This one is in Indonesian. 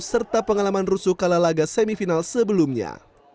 serta pengalaman rusuh kala laga semifinal sebelumnya